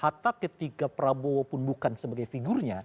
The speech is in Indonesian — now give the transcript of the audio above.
hatta ketika prabowo pun bukan sebagai figurnya